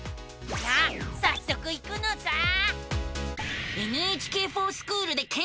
さあさっそく行くのさあ。